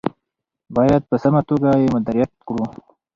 باید په سمه توګه یې مدیریت کړو.